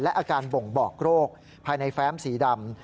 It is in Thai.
อาการบ่งบอกโรคภายในแฟ้มสีดำ